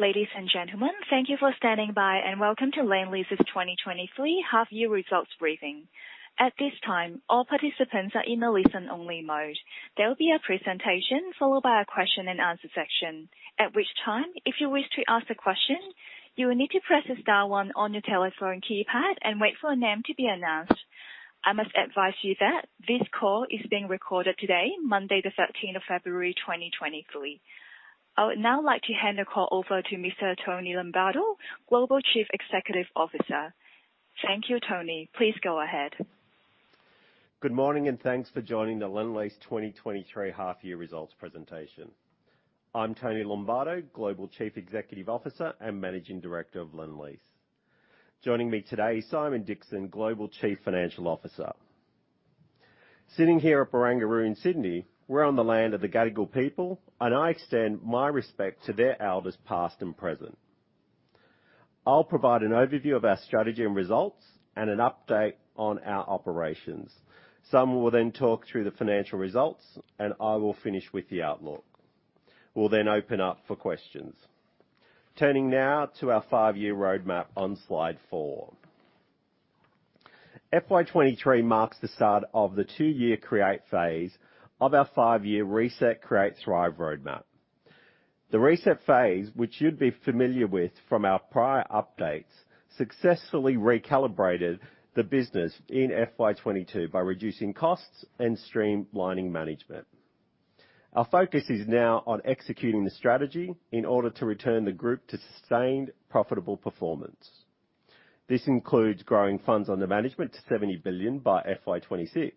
Ladies and gentlemen, thank you for standing by, and welcome to Lendlease's 2023 half year results briefing. At this time, all participants are in a listen-only mode. There will be a presentation followed by a question and answer section, at which time if you wish to ask a question, you will need to press star one on your telephone keypad and wait for your name to be announced. I must advise you that this call is being recorded today, Monday the thirteenth of February 2023. I would now like to hand the call over to Mr. Tony Lombardo, Global Chief Executive Officer. Thank you, Tony. Please go ahead. Good morning, thanks for joining the Lendlease 2023 half year results presentation. I'm Tony Lombardo, Global Chief Executive Officer and Managing Director of Lendlease. Joining me today is Simon Dixon, Global Chief Financial Officer. Sitting here at Barangaroo in Sydney, we're on the land of the Gadigal people. I extend my respect to their elders past and present. I'll provide an overview of our strategy and results and an update on our operations. Simon will talk through the financial results. I will finish with the outlook. We'll open up for questions. Turning now to our five year roadmap on slide four. FY 2023 marks the start of the two year create phase of our five year reset, create, thrive roadmap. The reset phase, which you'd be familiar with from our prior updates, successfully recalibrated the business in FY 2022 by reducing costs and streamlining management. Our focus is now on executing the strategy in order to return the group to sustained, profitable performance. This includes growing funds under management to 70 billion by FY26,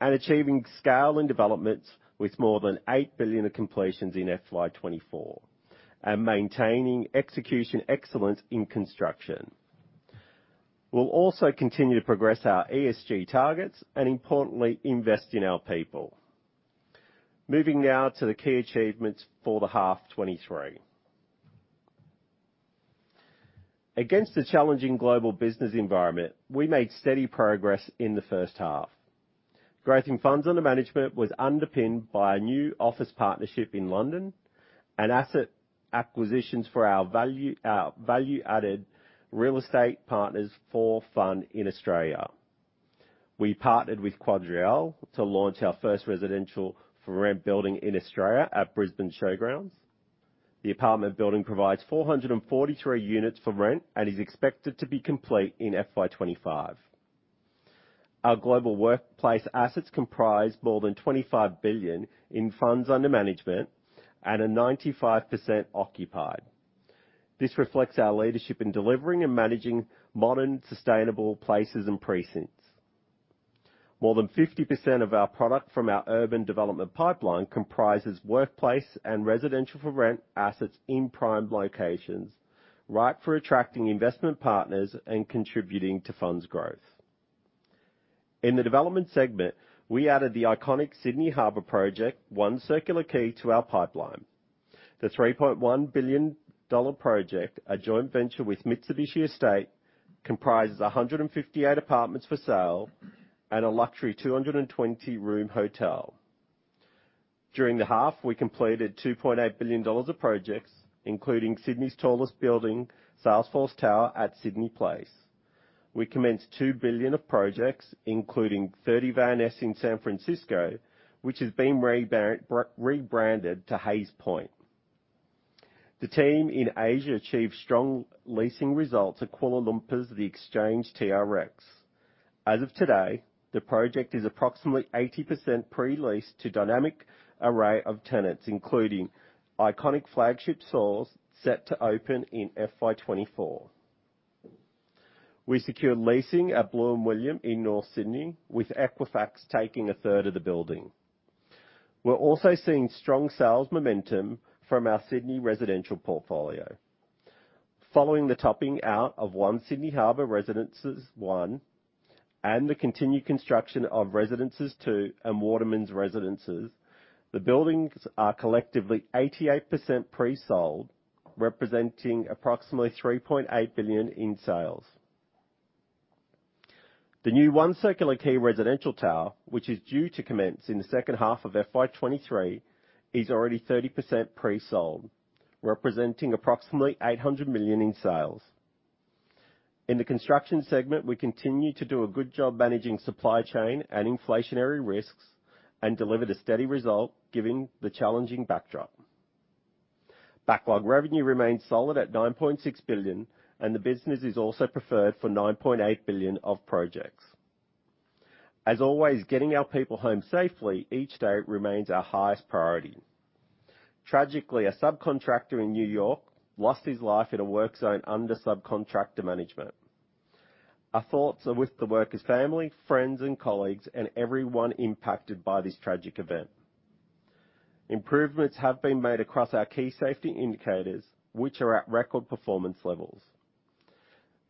achieving scale in developments with more than 8 billion of completions in FY24, and maintaining execution excellence in construction. We'll also continue to progress our ESG targets and importantly, invest in our people. Moving now to the key achievements for H1 2023. Against the challenging global business environment, we made steady progress in the first half. Growth in funds under management was underpinned by a new office partnership in London and asset acquisitions for our value-added Real Estate Partners 4 fund in Australia. We partnered with QuadReal to launch our first build-to-rent building in Australia at Brisbane Showgrounds. The apartment building provides 443 units for rent and is expected to be complete in FY25. Our global workplace assets comprise more than 25 billion in funds under management and are 95% occupied. This reflects our leadership in delivering and managing modern, sustainable places and precincts. More than 50% of our product from our urban development pipeline comprises workplace and residential for rent assets in prime locations, ripe for attracting investment partners and contributing to funds growth. In the development segment, we added the iconic Sydney Harbour project, One Circular Quay, to our pipeline. The 3.1 billion dollar project, a joint venture with Mitsubishi Estate, comprises 158 apartments for sale and a luxury 220-room hotel. During the half, we completed 2.8 billion dollars of projects, including Sydney's tallest building, Salesforce Tower at Sydney Place. We commenced 2 billion of projects, including 30 Van Ness in San Francisco, which is being rebranded to Hayes Point. The team in Asia achieved strong leasing results at Kuala Lumpur's The Exchange TRX. As of today, the project is approximately 80% pre-leased to dynamic array of tenants, including iconic flagship stores set to open in FY 2024. We secured leasing at Blue & William in North Sydney, with Equifax taking a third of the building. We're also seeing strong sales momentum from our Sydney residential portfolio. Following the topping out of One Sydney Harbour Residences One and the continued construction of Residences Two and Watermans Residences, the buildings are collectively 88% pre-sold, representing approximately 3.8 billion in sales. The new One Circular Quay residential tower, which is due to commence in the second half of FY23, is already 30% pre-sold, representing approximately 800 million in sales. In the construction segment, we continue to do a good job managing supply chain and inflationary risks and delivered a steady result given the challenging backdrop. Backlog revenue remains solid at 9.6 billion, and the business is also preferred for 9.8 billion of projects. As always, getting our people home safely each day remains our highest priority. Tragically, a subcontractor in New York lost his life in a work zone under subcontractor management. Our thoughts are with the worker's family, friends and colleagues, and everyone impacted by this tragic event. Improvements have been made across our key safety indicators, which are at record performance levels.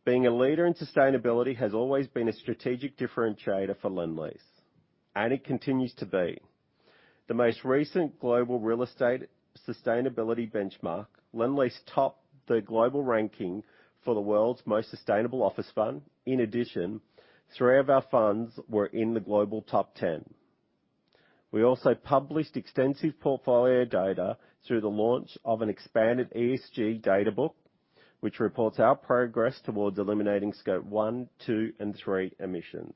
Being a leader in sustainability has always been a strategic differentiator for Lendlease, and it continues to be. The most recent global real estate sustainability benchmark, Lendlease topped the global ranking for the world's most sustainable office fund. In addition, three of our funds were in the global top 10. We also published extensive portfolio data through the launch of an expanded ESG data book, which reports our progress towards eliminating Scope one, two, and three emissions.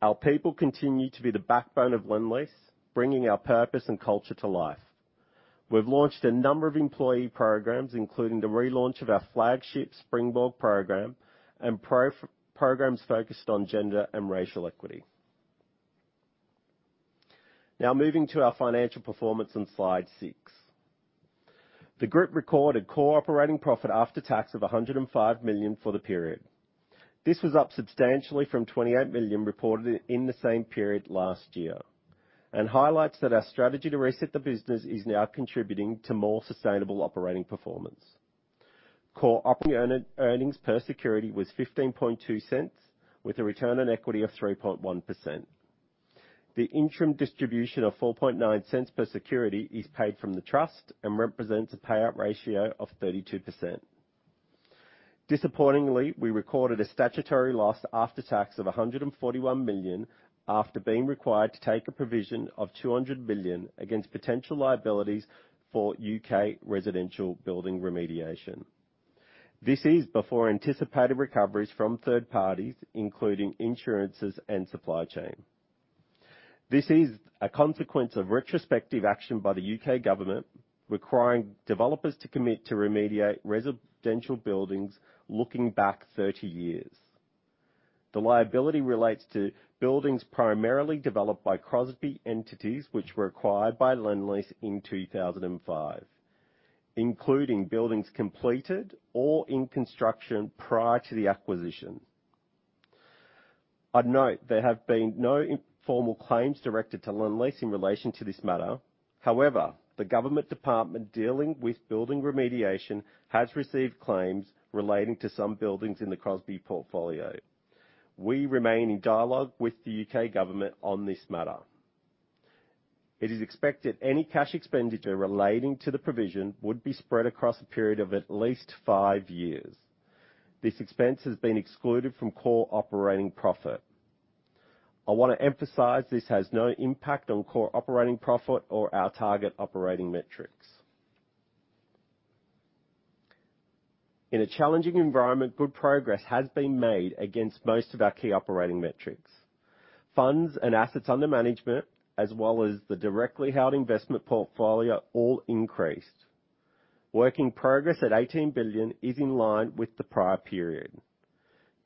Our people continue to be the backbone of Lendlease, bringing our purpose and culture to life. We've launched a number of employee programs, including the relaunch of our flagship Springboard program and pro-programs focused on gender and racial equity. Moving to our financial performance on slide six. The group recorded Core Operating Profit after Tax of 105 million for the period. This was up substantially from 28 million reported in the same period last year. Highlights that our strategy to reset the business is now contributing to more sustainable operating performance. Core operating earnings per security was 0.152, with a return on equity of 3.1%. The interim distribution of 0.049 per security is paid from the trust and represents a payout ratio of 32%. Disappointingly, we recorded a statutory loss after tax of 141 million after being required to take a provision of 200 million against potential liabilities for U.K. residential building remediation. This is before anticipated recoveries from third parties, including insurances and supply chain. This is a consequence of retrospective action by the U.K. government, requiring developers to commit to remediate residential buildings looking back 30 years. The liability relates to buildings primarily developed by Crosby entities which were acquired by Lendlease in 2005, including buildings completed or in construction prior to the acquisition. I'd note there have been no informal claims directed to Lendlease in relation to this matter. However, the government department dealing with building remediation has received claims relating to some buildings in the Crosby portfolio. We remain in dialogue with the U.K. government on this matter. It is expected any cash expenditure relating to the provision would be spread across a period of at least five years. This expense has been excluded from Core Operating Profit. I wanna emphasize this has no impact on Core Operating Profit or our target operating metrics. In a challenging environment, good progress has been made against most of our key operating metrics. Funds under management, as well as the directly held investment portfolio, all increased. Work in progress at 18 billion is in line with the prior period.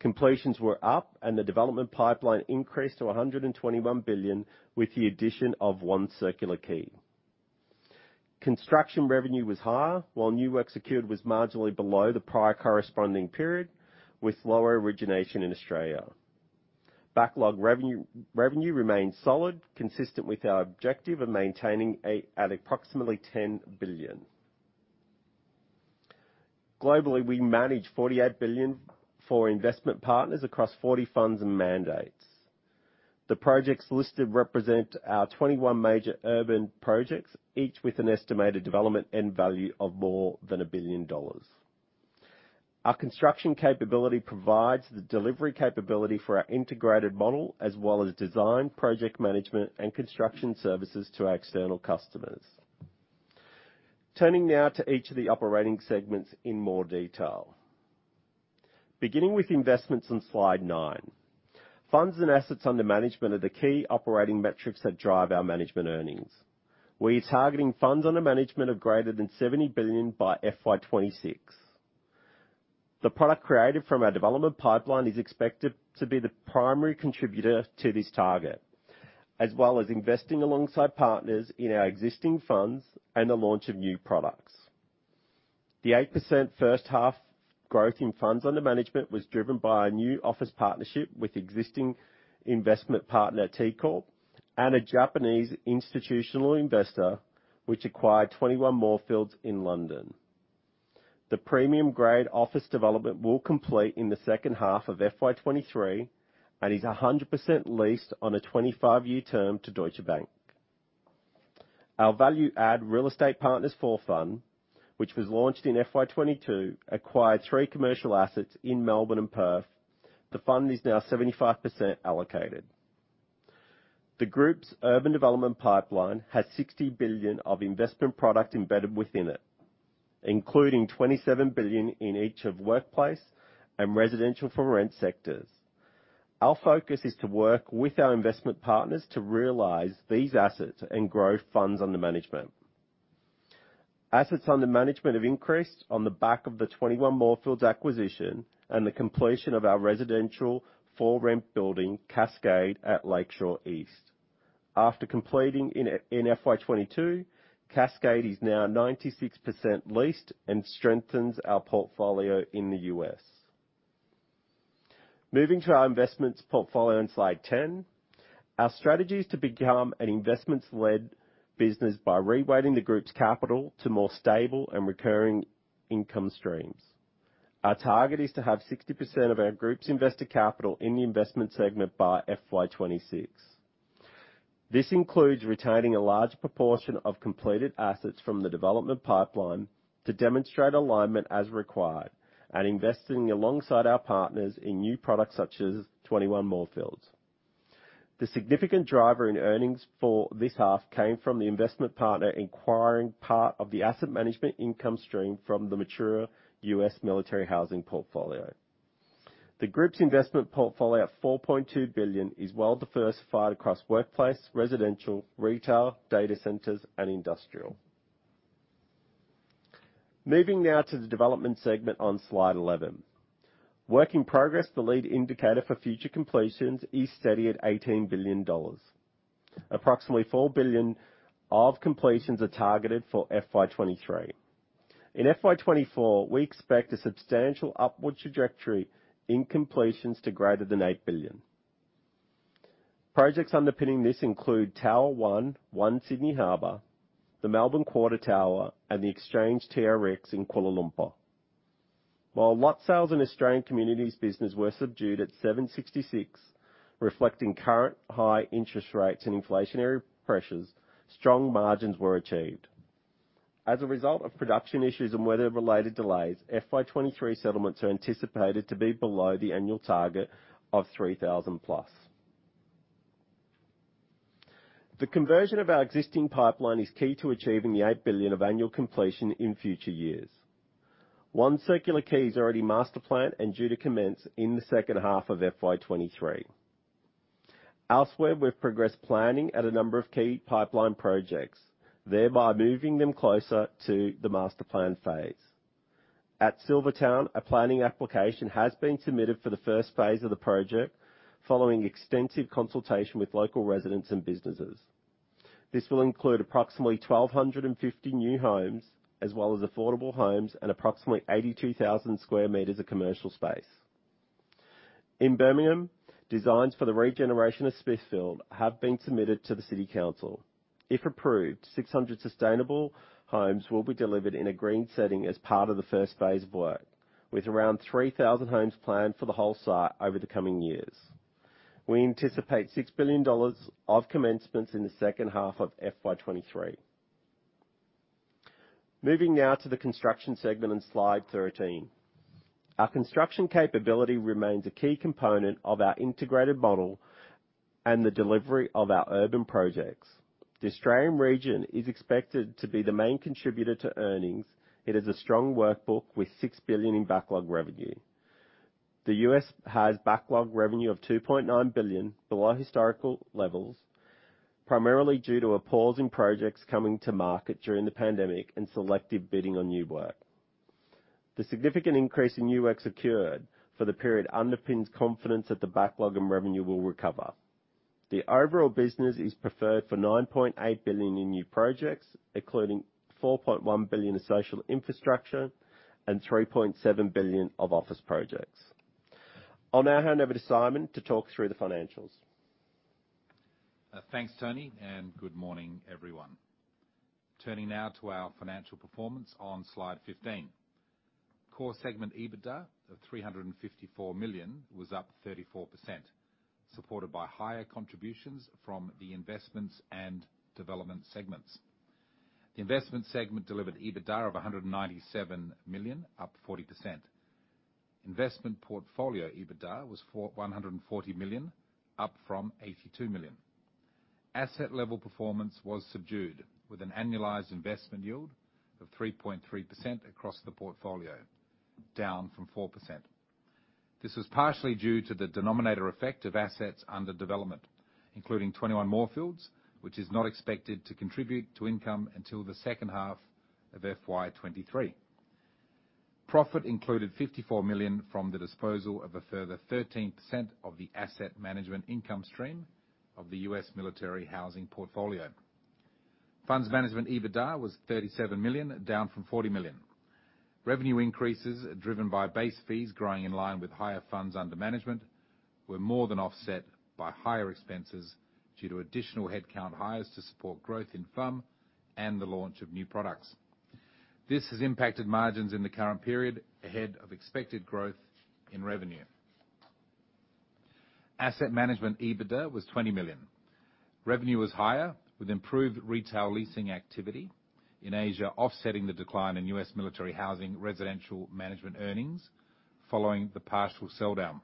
Completions were up, the development pipeline increased to 121 billion with the addition of One Circular Quay. Construction revenue was higher, while new work secured was marginally below the prior corresponding period, with lower origination in Australia. Backlog revenue remains solid, consistent with our objective of maintaining at approximately 10 billion. Globally, we manage 48 billion for investment partners across 40 funds and mandates. The projects listed represent our 21 major urban projects, each with an estimated development end value of more than 1 billion dollars. Our construction capability provides the delivery capability for our integrated model as well as design, project management, and construction services to our external customers. Turning now to each of the operating segments in more detail. Beginning with investments on slide nine. Funds and assets under management are the key operating metrics that drive our management earnings. We are targeting funds under management of greater than 70 billion by FY26. The product created from our development pipeline is expected to be the primary contributor to this target, as well as investing alongside partners in our existing funds and the launch of new products. The 8% first half growth in funds under management was driven by a new office partnership with existing investment partner TCorp and a Japanese institutional investor which acquired 21 Moorfields in London. The premium grade office development will complete in the second half of FY23 and is 100% leased on a 25-year term to Deutsche Bank. Our value add Real Estate Partners 4 Fund, which was launched in FY22, acquired three commercial assets in Melbourne and Perth. The fund is now 75% allocated. The group's urban development pipeline has 60 billion of investment product embedded within it, including 27 billion in each of workplace and build-to-rent sectors. Our focus is to work with our investment partners to realize these assets and grow funds under management. Assets under management have increased on the back of the 21 Moorfields acquisition and the completion of our build-to-rent building Cascade at Lakeshore East. After completing in FY22, Cascade is now 96% leased and strengthens our portfolio in the U.S. Moving to our investments portfolio on slide 10. Our strategy is to become an investments-led business by reweighting the group's capital to more stable and recurring income streams. Our target is to have 60% of our group's investor capital in the investment segment by FY 2026. This includes retaining a large proportion of completed assets from the development pipeline to demonstrate alignment as required and investing alongside our partners in new products such as 21 Moorfields. The significant driver in earnings for this half came from the investment partner acquiring part of the asset management income stream from the mature US military housing portfolio. The group's investment portfolio of 4.2 billion is well diversified across workplace, residential, retail, data centers and industrial. Moving now to the development segment on slide 11. Work in progress, the lead indicator for future completions, is steady at 18 billion dollars. Approximately 4 billion of completions are targeted for FY 2023. In FY 2024, we expect a substantial upward trajectory in completions to greater than 8 billion. Projects underpinning this include Tower One Sydney Harbour, the Melbourne Quarter Tower, and The Exchange TRX in Kuala Lumpur. While lot sales in Australian communities business were subdued at 766, reflecting current high interest rates and inflationary pressures, strong margins were achieved. As a result of production issues and weather-related delays, FY23 settlements are anticipated to be below the annual target of 3,000+. The conversion of our existing pipeline is key to achieving the 8 billion of annual completion in future years. One Circular Quay is already master planned and due to commence in the second half of FY23. Elsewhere, we've progressed planning at a number of key pipeline projects, thereby moving them closer to the master plan phase. At Silvertown, a planning application has been submitted for the first phase of the project following extensive consultation with local residents and businesses. This will include approximately 1,250 new homes as well as affordable homes and approximately 82,000 sq m of commercial space. In Birmingham, designs for the regeneration of Smithfield have been submitted to the city council. If approved, 600 sustainable homes will be delivered in a green setting as part of the first phase of work, with around 3,000 homes planned for the whole site over the coming years. We anticipate 6 billion dollars of commencements in the second half of FY 2023. Moving now to the construction segment on slide 13. Our construction capability remains a key component of our integrated model and the delivery of our urban projects. The Australian region is expected to be the main contributor to earnings. It is a strong workbook with 6 billion in backlog revenue. The U.S. has backlog revenue of $2.9 billion below historical levels, primarily due to a pause in projects coming to market during the pandemic and selective bidding on new work. The significant increase in new work secured for the period underpins confidence that the backlog revenue will recover. The overall business is preferred for 9.8 billion in new projects, including 4.1 billion in social infrastructure and 3.7 billion of office projects. I'll now hand over to Simon to talk through the financials. Thanks, Tony, and good morning, everyone. Turning now to our financial performance on slide 15. Core segment EBITDA of 354 million was up 34%, supported by higher contributions from the investments and development segments. The investment segment delivered EBITDA of AUD 197 million, up 40%. Investment portfolio EBITDA was for AUD 140 million, up from AUD 82 million. Asset level performance was subdued, with an annualized investment yield of 3.3% across the portfolio, down from 4%. This was partially due to the denominator effect of assets under development, including 21 Moorfields, which is not expected to contribute to income until the second half of FY 2023. Profit included 54 million from the disposal of a further 13% of the asset management income stream of the U.S. military housing portfolio. Funds Management EBITDA was 37 million, down from 40 million. Revenue increases driven by base fees growing in line with higher funds under management were more than offset by higher expenses due to additional headcount hires to support growth in FUM and the launch of new products. This has impacted margins in the current period ahead of expected growth in revenue. Asset Management EBITDA was 20 million. Revenue was higher with improved retail leasing activity in Asia, offsetting the decline in US military housing residential management earnings following the partial sell-down.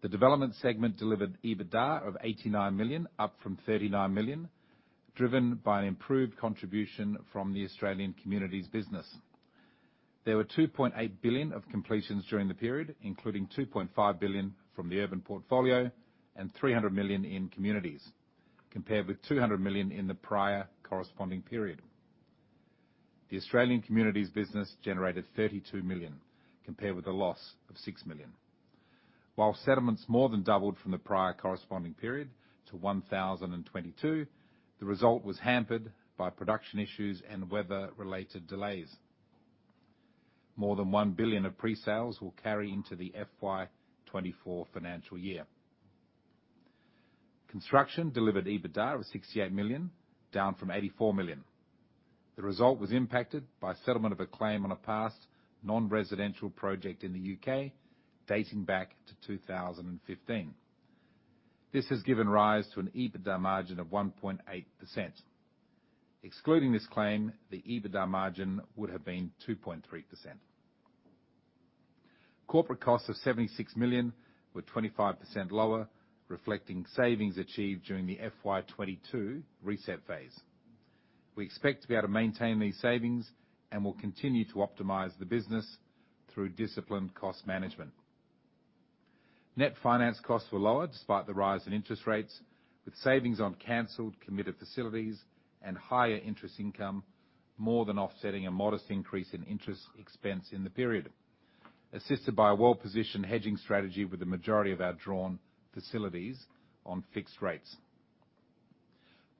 The Development segment delivered EBITDA of 89 million, up from 39 million, driven by an improved contribution from the Australian communities business. There were 2.8 billion of completions during the period, including 2.5 billion from the urban portfolio and 300 million in communities, compared with 200 million in the prior corresponding period. The Australian communities business generated 32 million, compared with a loss of 6 million. While settlements more than doubled from the prior corresponding period to 1,022, the result was hampered by production issues and weather-related delays. More than 1 billion of pre-sales will carry into the FY 2024 financial year. Construction delivered EBITDA of 68 million, down from 84 million. The result was impacted by settlement of a claim on a past non-residential project in the U.K. dating back to 2015. This has given rise to an EBITDA margin of 1.8%. Excluding this claim, the EBITDA margin would have been 2.3%. Corporate costs of 76 million were 25% lower, reflecting savings achieved during the FY 2022 reset phase. We expect to be able to maintain these savings, and we'll continue to optimize the business through disciplined cost management. Net finance costs were lower despite the rise in interest rates, with savings on canceled committed facilities and higher interest income, more than offsetting a modest increase in interest expense in the period, assisted by a well-positioned hedging strategy with the majority of our drawn facilities on fixed rates.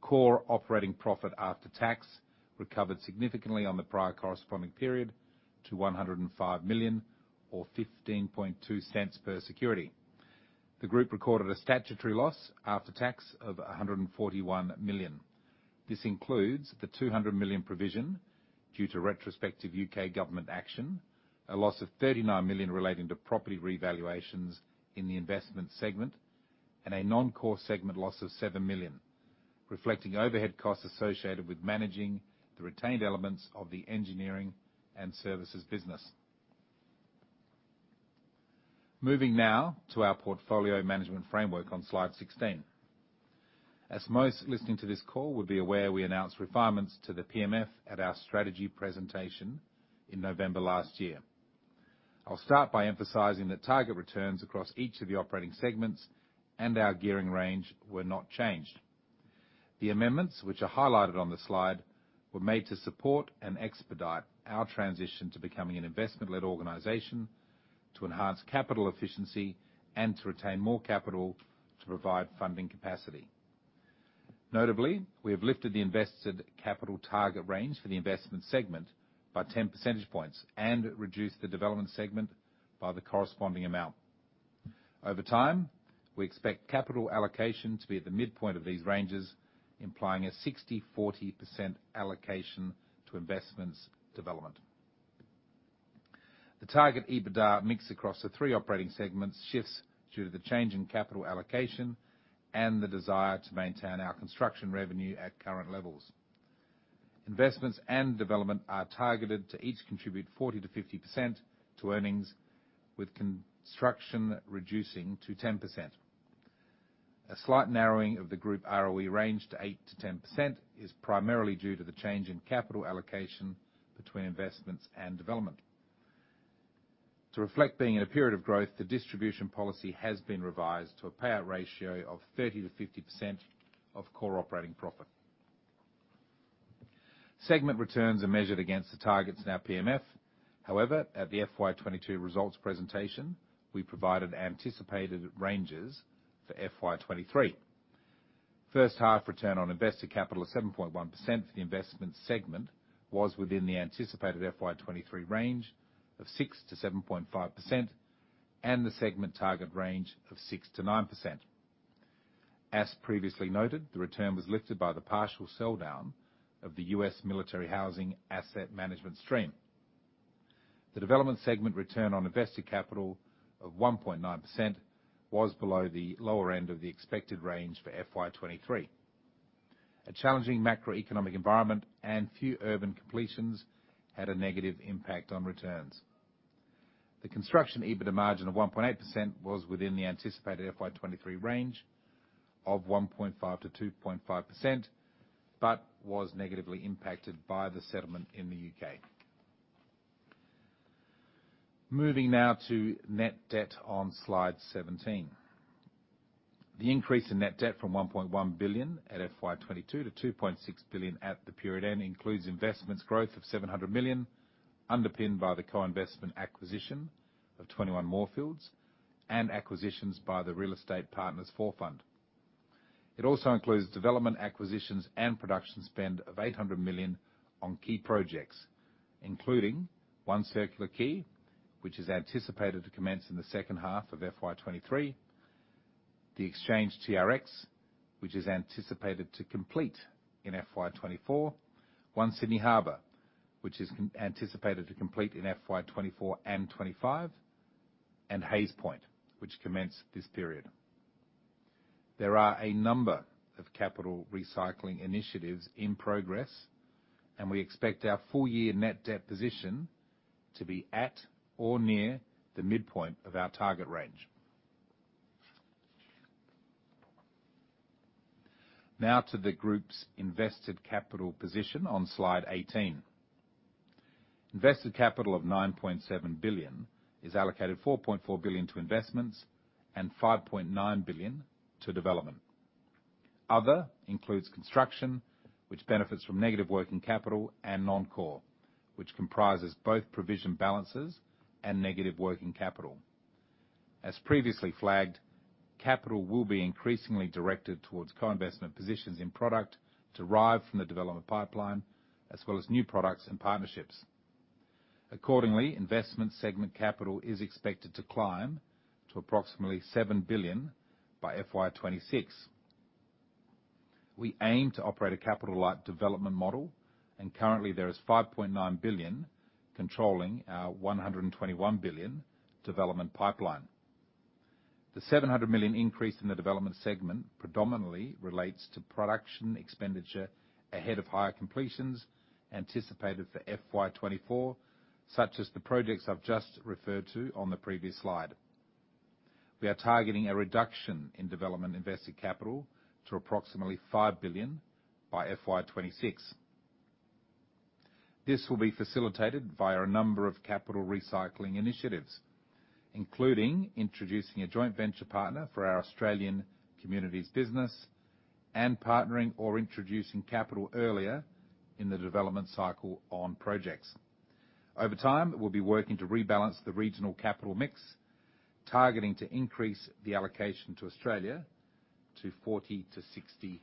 Core Operating Profit after Tax recovered significantly on the prior corresponding period to 105 million or 0.152 per security. The group recorded a statutory loss after tax of 141 million. This includes the 200 million provision due to retrospective U.K. government action, a loss of 39 million relating to property revaluations in the investment segment, and a non-core segment loss of 7 million, reflecting overhead costs associated with managing the retained elements of the engineering and services business. Moving now to our portfolio management framework on slide 16. As most listening to this call would be aware, we announced refinements to the PMF at our strategy presentation in November last year. I'll start by emphasizing that target returns across each of the operating segments and our gearing range were not changed. The amendments which are highlighted on the slide were made to support and expedite our transition to becoming an investment-led organization, to enhance capital efficiency, and to retain more capital to provide funding capacity. Notably, we have lifted the invested capital target range for the investment segment by 10 percentage points and reduced the development segment by the corresponding amount. Over time, we expect capital allocation to be at the midpoint of these ranges, implying a 60/40% allocation to investments development. The target EBITDA mix across the three operating segments shifts due to the change in capital allocation and the desire to maintain our construction revenue at current levels. Investments and development are targeted to each contribute 40%-50% to earnings, with construction reducing to 10%. A slight narrowing of the group ROE range to 8%-10% is primarily due to the change in capital allocation between investments and development. To reflect being in a period of growth, the distribution policy has been revised to a payout ratio of 30%-50% of Core Operating Profit. Segment returns are measured against the targets in our PMF. At the FY22 results presentation, we provided anticipated ranges for FY23. First half ROIC of 7.1% for the investment segment was within the anticipated FY 2023 range of 6%-7.5% and the segment target range of 6%-9%. As previously noted, the return was lifted by the partial sell-down of the U.S. military housing asset management stream. The development segment ROIC of 1.9% was below the lower end of the expected range for FY 2023. A challenging macroeconomic environment and few urban completions had a negative impact on returns. The construction EBITDA margin of 1.8% was within the anticipated FY 2023 range of 1.5%-2.5%, but was negatively impacted by the settlement in the U.K. Moving now to net debt on slide 17. The increase in net debt from 1.1 billion at FY 2022 to 2.6 billion at the period end includes investments growth of 700 million, underpinned by the co-investment acquisition of 21 Moorfields and acquisitions by the Real Estate Partners 4 fund. It also includes development acquisitions and production spend of 800 million on key projects, including One Circular Quay, which is anticipated to commence in the second half of FY 2023, The Exchange TRX, which is anticipated to complete in FY 2024, One Sydney Harbour, which is anticipated to complete in FY 2024 and 2025, and Hayes Point, which commenced this period. There are a number of capital recycling initiatives in progress, we expect our full year net debt position to be at or near the midpoint of our target range. Now to the group's invested capital position on slide 18. Invested capital of 9.7 billion is allocated 4.4 billion to investments and 5.9 billion to development. Other includes construction, which benefits from negative working capital and non-core, which comprises both provision balances and negative working capital. As previously flagged, capital will be increasingly directed towards co-investment positions in product derived from the development pipeline, as well as new products and partnerships. Investment segment capital is expected to climb to approximately 7 billion by FY 2026. We aim to operate a capital-light development model. Currently, there is 5.9 billion controlling our 121 billion development pipeline. The 700 million increase in the development segment predominantly relates to production expenditure ahead of higher completions anticipated for FY 2024, such as the projects I've just referred to on the previous slide. We are targeting a reduction in development invested capital to approximately 5 billion by FY26. This will be facilitated via a number of capital recycling initiatives, including introducing a joint venture partner for our Australian communities business and partnering or introducing capital earlier in the development cycle on projects. Over time, we'll be working to rebalance the regional capital mix, targeting to increase the allocation to Australia to 40%-60%.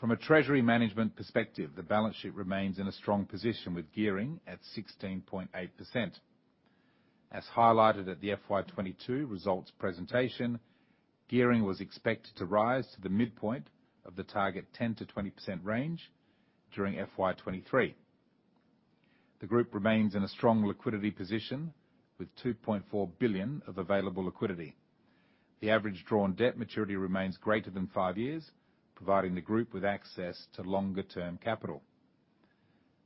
From a treasury management perspective, the balance sheet remains in a strong position with gearing at 16.8%. As highlighted at the FY22 results presentation, gearing was expected to rise to the midpoint of the target 10%-20% range during FY23. The group remains in a strong liquidity position with 2.4 billion of available liquidity. The average drawn debt maturity remains greater than five years, providing the group with access to longer-term capital.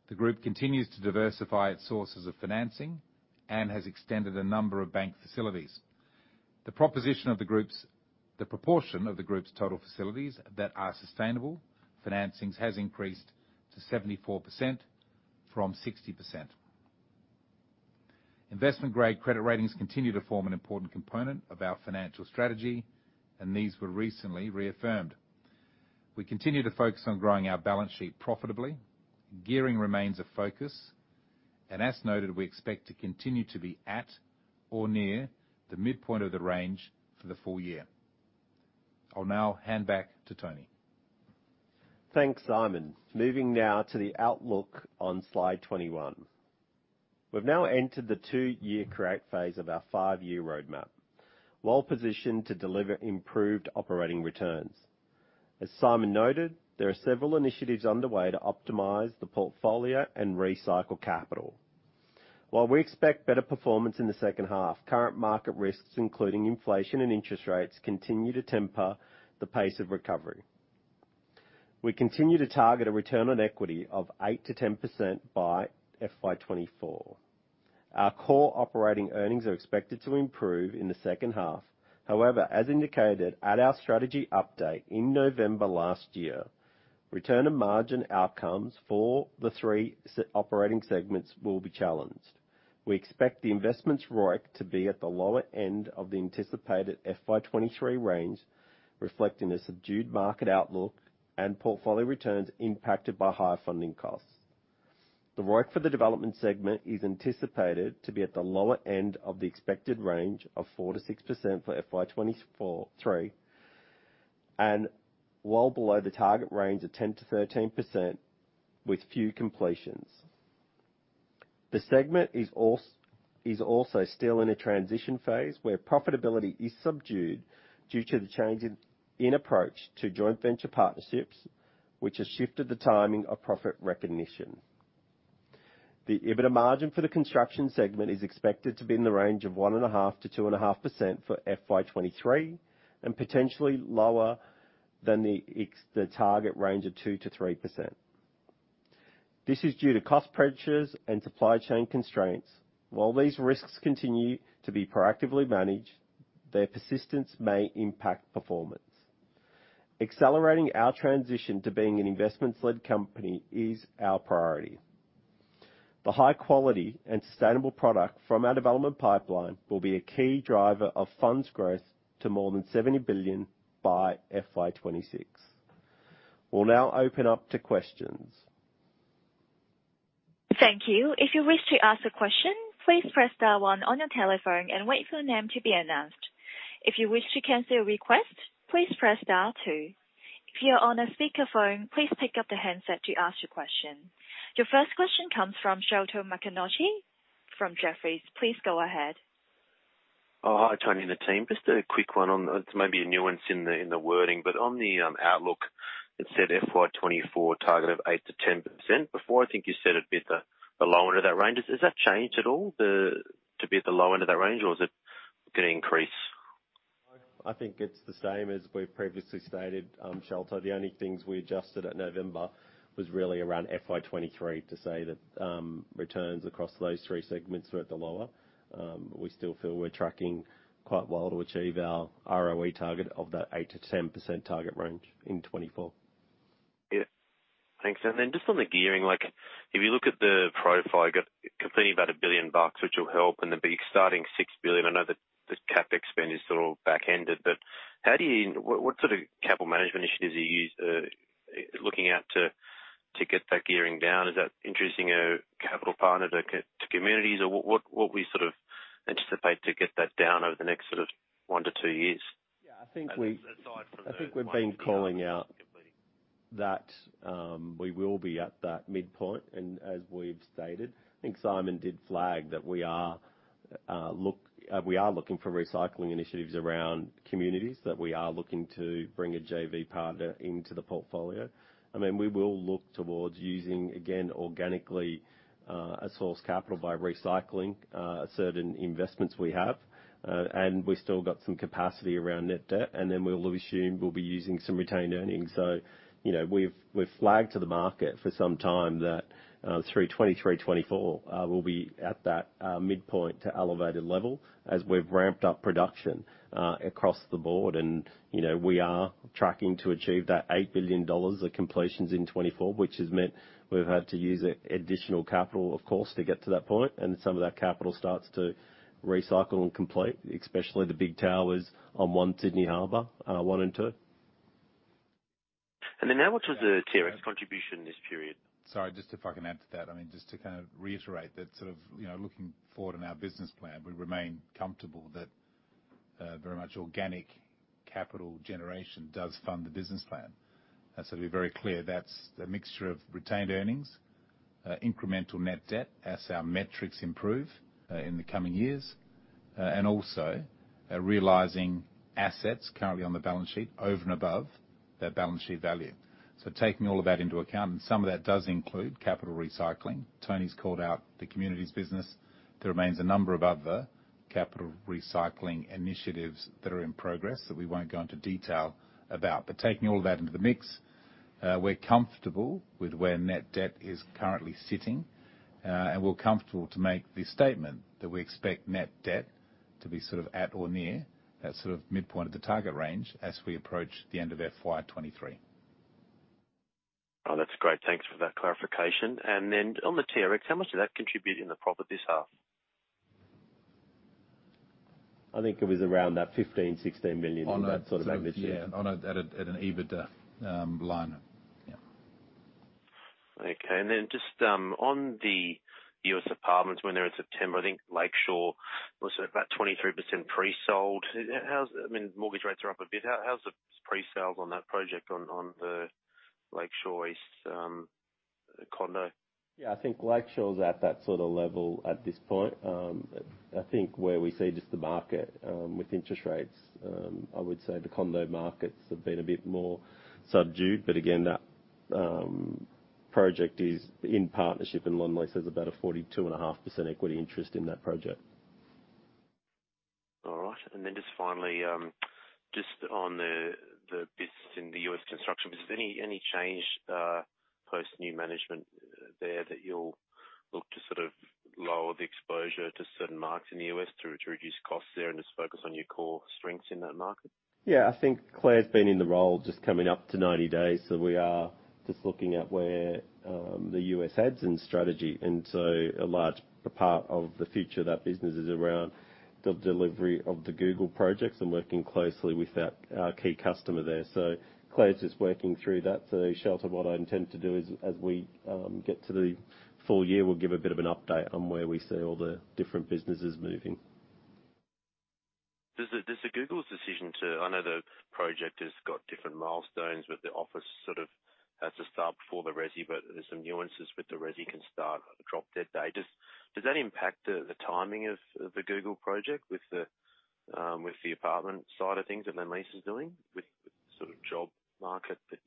The group continues to diversify its sources of financing and has extended a number of bank facilities. The proportion of the group's total facilities that are sustainable financings has increased to 74% from 60%. Investment-grade credit ratings continue to form an important component of our financial strategy, and these were recently reaffirmed. We continue to focus on growing our balance sheet profitably. Gearing remains a focus, and as noted, we expect to continue to be at or near the midpoint of the range for the full year. I'll now hand back to Tony. Thanks, Simon. Moving now to the outlook on slide 21. We've now entered the two year correct phase of our five year roadmap, well-positioned to deliver improved operating returns. As Simon noted, there are several initiatives underway to optimize the portfolio and recycle capital. While we expect better performance in the second half, current market risks, including inflation and interest rates, continue to temper the pace of recovery. We continue to target a return on equity of 8%-10% by FY2024. Our Core Operating Profit after Tax are expected to improve in the second half. However, as indicated at our strategy update in November last year, return and margin outcomes for the three operating segments will be challenged. We expect the investment's ROIC to be at the lower end of the anticipated FY2023 range, reflecting a subdued market outlook and portfolio returns impacted by higher funding costs. The ROIC for the development segment is anticipated to be at the lower end of the expected range of 4%-6% for FY 2023, and well below the target range of 10%-13% with few completions. The segment is also still in a transition phase where profitability is subdued due to the change in approach to joint venture partnerships, which has shifted the timing of profit recognition. The EBITDA margin for the construction segment is expected to be in the range of 1.5%-2.5% for FY 2023 and potentially lower than the target range of 2%-3%. This is due to cost pressures and supply chain constraints. While these risks continue to be proactively managed, their persistence may impact performance. Accelerating our transition to being an investments-led company is our priority. The high quality and sustainable product from our development pipeline will be a key driver of funds growth to more than 70 billion by FY 2026. We'll now open up to questions. Thank you. If you wish to ask a question, please press star one on your telephone and wait for your name to be announced. If you wish to cancel your request, please press star two. If you're on a speakerphone, please pick up the handset to ask your question. Your first question comes from Sholto Maconochie from Jefferies. Please go ahead. Oh, hi, Tony and the team. Just a quick one on the. It's maybe a nuance in the, in the wording, but on the outlook, it said FY 2024 target of 8%-10%. Before I think you said it'd be at the lower end of that range. Has that changed at all, to be at the low end of that range, or is it gonna increase? I think it's the same as we've previously stated, Sholto. The only things we adjusted at November was really around FY 2023 to say that, returns across those three segments were at the lower. We still feel we're tracking quite well to achieve our ROE target of that 8%-10% target range in 2024. Yeah. Thanks. Just on the gearing, like if you look at the profile, you've got completing about 1 billion bucks, which will help, and there'll be starting 6 billion. I know that the CapEx spend is sort of back-ended, how do you... What sort of capital management initiatives are you looking at to get that gearing down? Is that introducing a capital partner to communities, or what will you sort of anticipate to get that down over the next sort of one to two years? Yeah, I think. Aside from the- I think we've been calling out that we will be at that midpoint and as we've stated. I think Simon did flag that we are looking for recycling initiatives around communities that we are looking to bring a JV partner into the portfolio. I mean, we will look towards using, again, organically, a source capital by recycling certain investments we have. We still got some capacity around net debt, and then we'll assume we'll be using some retained earnings. You know, we've flagged to the market for some time that through 2023, 2024, we'll be at that midpoint to elevated level as we've ramped up production across the board. You know, we are tracking to achieve that 8 billion dollars of completions in 2024, which has meant we've had to use additional capital, of course, to get to that point. Some of that capital starts to recycle and complete, especially the big towers on One Sydney Harbour, one and two. Then how much was the TRX contribution this period? Sorry, just if I can add to that, I mean, just to kind of reiterate that sort of, you know, looking forward in our business plan, we remain comfortable that, very much organic capital generation does fund the business plan. To be very clear, that's a mixture of retained earnings, incremental net debt as our metrics improve, in the coming years, and also, realizing assets currently on the balance sheet over and above their balance sheet value. Taking all of that into account, and some of that does include capital recycling. Tony's called out the communities business. There remains a number of other capital recycling initiatives that are in progress that we won't go into detail about. Taking all that into the mix, we're comfortable with where net debt is currently sitting, and we're comfortable to make the statement that we expect net debt to be sort of at or near that sort of midpoint of the target range as we approach the end of FY 23. Oh, that's great. Thanks for that clarification. Then on the TRX, how much did that contribute in the profit this half? I think it was around that 15 million-16 million, that sort of magnitude. On a, on, yeah, at an EBITDA line. Okay. On the U.S. apartments, when they're in September, I think Lakeshore was at about 23% pre-sold. I mean, mortgage rates are up a bit. How's the presales on that project on the Lakeshore East condo? I think Lakeshore is at that sort of level at this point. I think where we see just the market, with interest rates, I would say the condo markets have been a bit more subdued, but again, that project is in partnership, and Lendlease has about a 42.5% equity interest in that project. All right. Just finally, just on the business in the U.S. construction business, any change, post new management there that you'll look to sort of lower the exposure to certain markets in the U.S. to reduce costs there and just focus on your core strengths in that market? Yeah, I think Claire's been in the role just coming up to 90 days. We are just looking at where the US heads in strategy. A large part of the future of that business is around the delivery of the Google projects and working closely with that, our key customer there. Claire's just working through that. Sholto, what I intend to do is as we get to the full year, we'll give a bit of an update on where we see all the different businesses moving. I know the project has got different milestones, but the office sort of has to start before the resi, but there's some nuances with the resi can start drop dead date. Does that impact the timing of the Google project with the apartment side of things and then Lendlease is doing with sort of job market that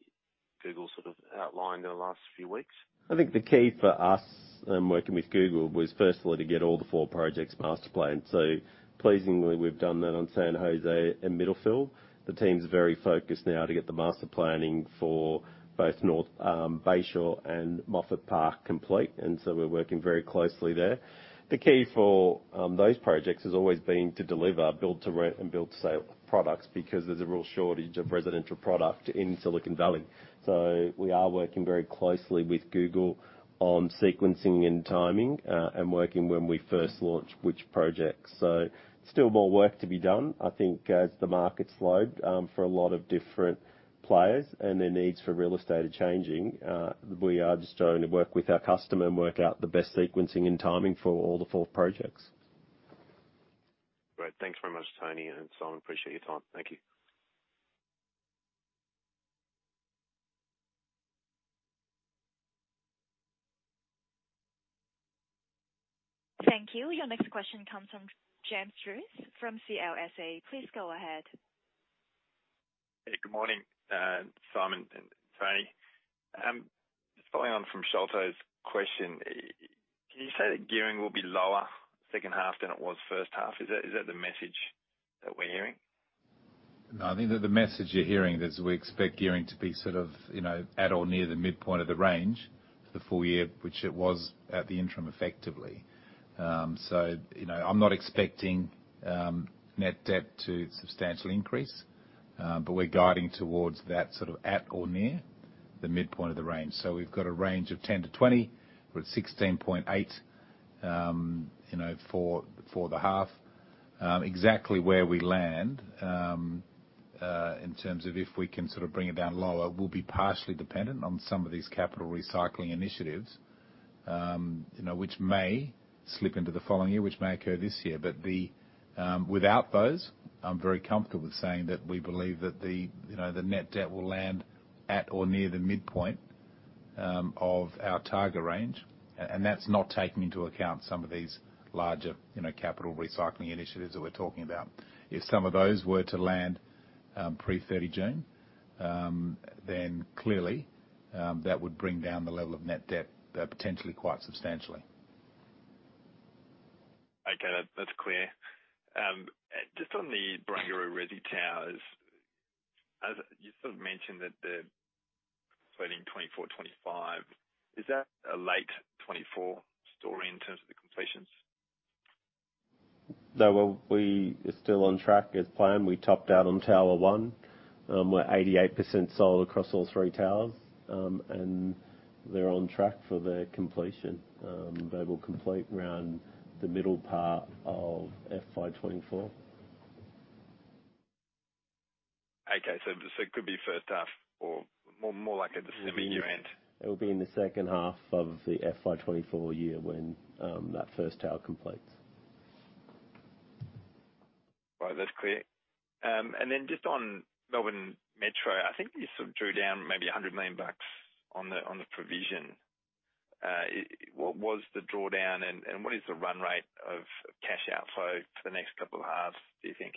Google sort of outlined in the last few weeks? I think the key for us in working with Google was firstly to get all the four projects master planned. Pleasingly, we've done that on San Jose and Middlefield. The team's very focused now to get the master planning for both North Bayshore and Moffett Park complete. We're working very closely there. The key for those projects has always been to deliver build to rent and build to sell products because there's a real shortage of residential product in Silicon Valley. We are working very closely with Google on sequencing and timing and working when we first launch which project. Still more work to be done. I think as the market slowed, for a lot of different players and their needs for real estate are changing, we are just going to work with our customer and work out the best sequencing and timing for all the four projects. Great. Thanks very much, Tony and Simon. Appreciate your time. Thank you. Thank you. Your next question comes from James Druce from CLSA. Please go ahead. Hey, good morning, Simon and Tony. Just following on from Sholto's question, can you say that gearing will be lower second half than it was first half? Is that the message that we're hearing? No, I think that the message you're hearing is we expect gearing to be sort of, you know, at or near the midpoint of the range for the full year, which it was at the interim effectively. I'm not expecting net debt to substantially increase, but we're guiding towards that sort of at or near the midpoint of the range. We've got a range of 10%-20%. We're at 16.8%, you know, for the half. Exactly where we land in terms of if we can sort of bring it down lower, will be partially dependent on some of these capital recycling initiatives, you know, which may slip into the following year, which may occur this year. The, without those, I'm very comfortable saying that we believe that the, you know, the net debt will land at or near the midpoint. Of our target range. That's not taking into account some of these larger, you know, capital recycling initiatives that we're talking about. If some of those were to land, pre-30 June, then clearly, that would bring down the level of net debt, potentially quite substantially. Okay, that's clear. Just on the Barangaroo Resi Towers, as you sort of mentioned that the waiting 2024, 2025, is that a late 2024 story in terms of the completions? No, we are still on track as planned. We topped out on tower 1. We're 88% sold across all 3 towers. They're on track for their completion. They will complete around the middle part of FY 2024. Okay. It could be first half or more like at the semi-year end. It will be in the second half of the FY 2024 year when, that first tower completes. Right. That's clear. Then just on Metro Tunnel, I think you sort of drew down maybe 100 million bucks on the, on the provision. What was the drawdown and what is the run rate of cash outflow for the next couple of halves, do you think?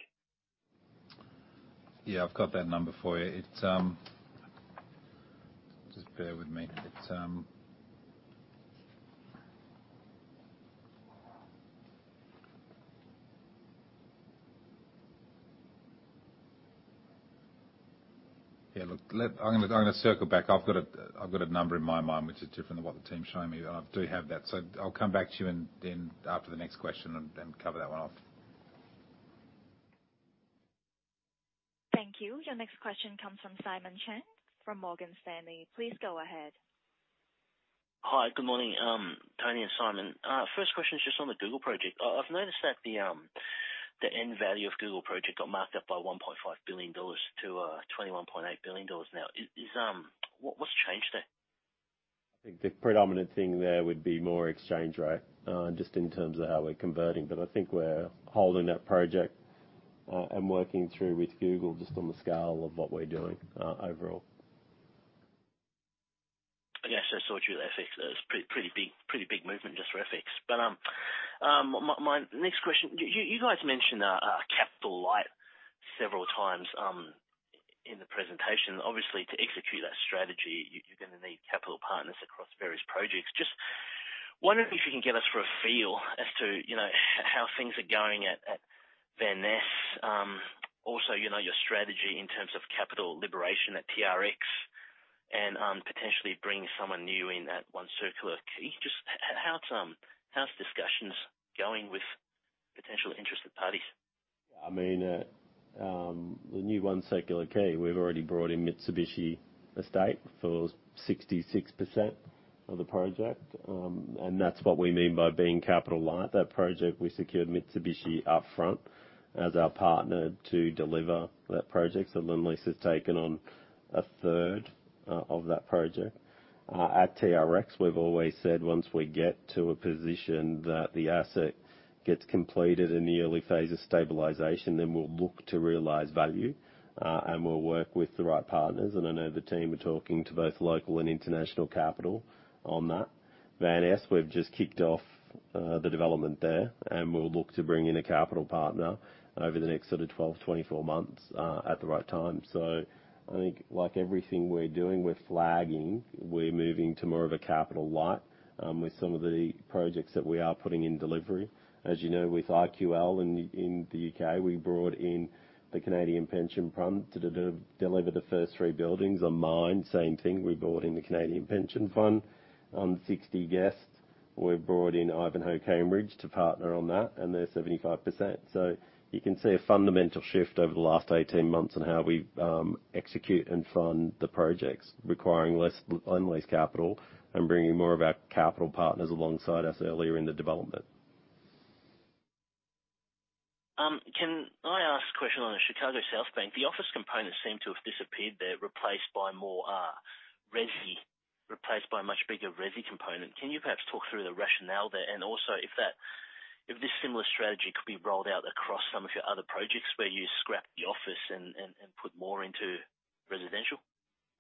I've got that number for you. It's. Just bear with me. It's. Look, I'm gonna circle back. I've got a number in my mind which is different than what the team's showing me. I do have that. I'll come back to you and then after the next question and then cover that one off. Thank you. Your next question comes from Simon Chan, from Morgan Stanley. Please go ahead. Hi. Good morning, Tony and Simon. First question is just on the Google project. I've noticed that the end value of Google project got marked up by $1.5 billion to $21.8 billion now. What's changed there? I think the predominant thing there would be more exchange rate, just in terms of how we're converting. I think we're holding that project and working through with Google just on the scale of what we're doing, overall. I guess I saw 2FX. That was pretty big, pretty big movement just for FX. My next question, you guys mentioned capital light several times in the presentation. Obviously, to execute that strategy, you're gonna need capital partners across various projects. Just wondering if you can get us through a feel as to, you know, how things are going at Van Ness. Also, you know, your strategy in terms of capital liberation at TRX and potentially bringing someone new in at One Circular Quay. Just how's discussions going with potentially interested parties? I mean, the new One Circular Quay, we've already brought in Mitsubishi Estate for 66% of the project. That's what we mean by being capital light. That project, we secured Mitsubishi up front as our partner to deliver that project. Lendlease has taken on a third of that project. At TRX, we've always said once we get to a position that the asset gets completed in the early phase of stabilization, then we'll look to realize value and we'll work with the right partners. I know the team are talking to both local and international capital on that. Van Ness, we've just kicked off the development there, we'll look to bring in a capital partner over the next sort of 12-24 months at the right time. I think like everything we're doing, we're flagging, we're moving to more of a capital light, with some of the projects that we are putting in delivery. As you know, with IQL in the UK, we brought in the Canadian Pension Plan to deliver the first three buildings on mine. Same thing, we brought in the Canadian Pension Fund. On 60 Guest, we've brought in Ivanhoé Cambridge to partner on that, and they're 75%. You can see a fundamental shift over the last 18 months on how we execute and fund the projects requiring less Lendlease capital and bringing more of our capital partners alongside us earlier in the development. Can I ask a question on the Chicago Southbank? The office components seem to have disappeared. They're replaced by more, replaced by a much bigger resi component. Can you perhaps talk through the rationale there, if this similar strategy could be rolled out across some of your other projects where you scrap the office and put more into residential?